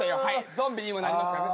ゾンビに今なりますからね。